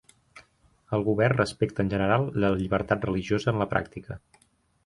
El Govern respecta en general la llibertat religiosa en la pràctica.